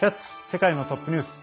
世界のトップニュース」。